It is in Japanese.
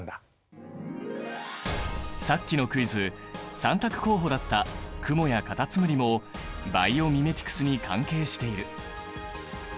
さっきのクイズ３択候補だったクモやカタツムリもバイオミメティクスに関係している。